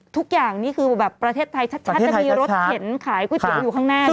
ทุกอย่างนี้คือแบบประเทศไทยชัดจะมีรถเห็นขายประเทศไทยอยู่ข้างหน้าด้วย